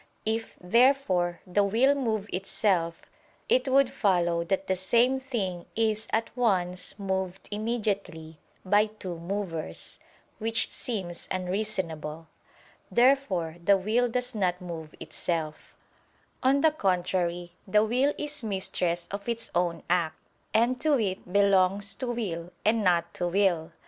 If, therefore, the will move itself, it would follow that the same thing is at once moved immediately by two movers; which seems unreasonable. Therefore the will does not move itself. On the contrary, The will is mistress of its own act, and to it belongs to will and not to will.